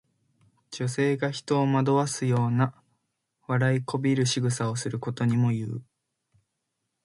いかにもなまめかしく美しい姿。また、そのような女性が人を惑わすような、笑いこびるしぐさをすることにもいう。